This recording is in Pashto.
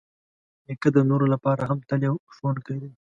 نیکه د نورو لپاره هم تل یو ښوونکی دی.